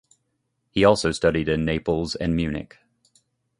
He also studied in Naples and Munich.